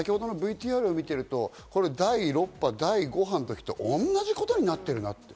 ＶＴＲを見ていると、第６波、第５波の時と同じことになってるなって。